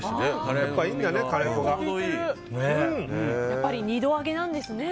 やっぱり２度揚げなんですね。